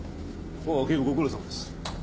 ああ警部ご苦労さまです。